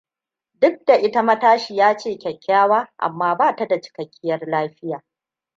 Duk da ita matashiya ce kyakkyawa, amma ba ta da cikakkiyar lafiya.